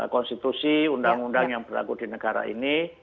konstitusi undang undang yang berlaku di negara ini